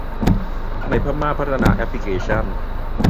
ในพม่าพัฒนาแอพพลิเคชั่น